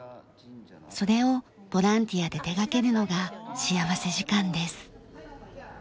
それをボランティアで手がけるのが幸福時間です。